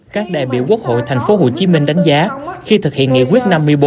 các đại biểu quốc hội tp hcm đánh giá khi thực hiện nghị quyết năm mươi bốn